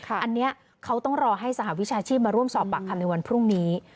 อันนี้เขาต้องรอให้สหวิชาชีพมาร่วมสอบปากคำในวันพรุ่งนี้